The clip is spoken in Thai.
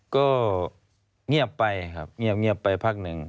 ก็เงียบไปครับเงียบไปพักหนึ่ง